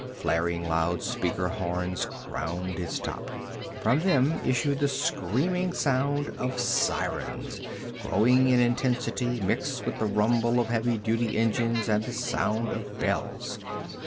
Flaring loudspeaker horns crowned its top. From them issued the screaming sound of sirens, growing in intensity, mixed with the rumble of heavy duty engines and the sound of bells.